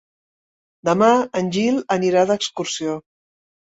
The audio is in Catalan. Demà en Gil anirà d'excursió.